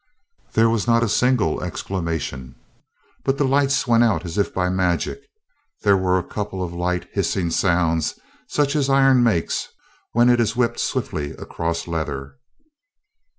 There was not a single exclamation, but the lights went out as if by magic; there were a couple of light, hissing sounds, such as iron makes when it is whipped swiftly across leather.